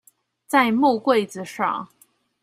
在木櫃子上